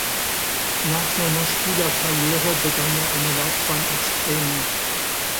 Nach seiner Spielerkarriere begann er eine Laufbahn als Trainer.